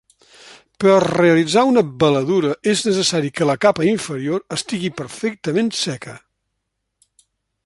Per realitzar una veladura és necessari que la capa inferior estigui perfectament seca.